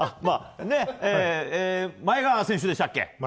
前川選手でしたっけ。